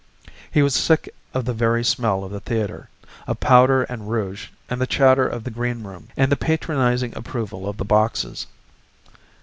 He was sick of the very smell of the theatre, of powder and rouge and the chatter of the greenroom, and the patronizing approval of the boxes.